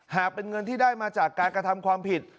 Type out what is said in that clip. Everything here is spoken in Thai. หากเป็นเงินที่ได้มาจากการกระทำความผิด